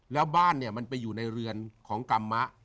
แล้วบ้านเนี่ยมันไปอยู่ในเรือนของกรรมะ